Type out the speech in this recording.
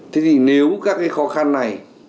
thế thì nếu các cái khó khăn này